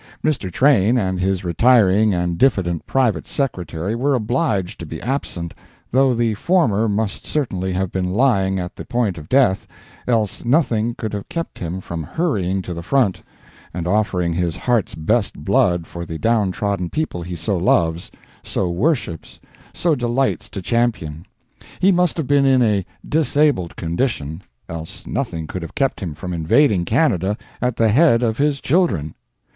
Mr. Train and his retiring and diffident private secretary were obliged to be absent, though the former must certainly have been lying at the point of death, else nothing could have kept him from hurrying to the front, and offering his heart's best blood for the Downtrodden People he so loves, so worships, so delights to champion. He must have been in a disabled condition, else nothing could have kept him from invading Canada at the head of his "children."